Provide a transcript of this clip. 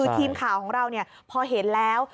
ทีมข่าวของเราพอเห็นแล้ว